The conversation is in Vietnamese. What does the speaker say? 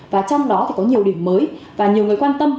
và trong đó thì có nhiều điểm mới và nhiều người quan tâm